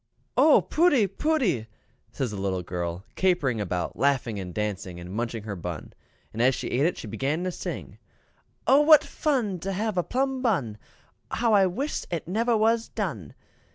"Oh, pooty, pooty!" says the little girl, capering about, laughing and dancing, and munching her bun; and as she ate it she began to sing: "O what fun to have a plum bun! how I wis it never was done!"